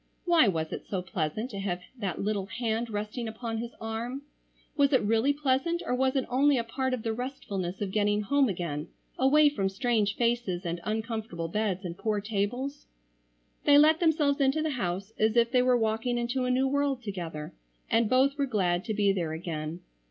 Why was it so pleasant to have that little hand resting upon his arm? Was it really pleasant or was it only a part of the restfulness of getting home again away from strange faces and uncomfortable beds, and poor tables? They let themselves into the house as if they were walking into a new world together and both were glad to be there again.